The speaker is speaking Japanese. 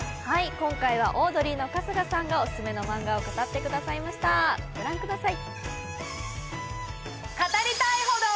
今回はオードリー・春日さんがおすすめのマンガを語ってくださいましたご覧ください。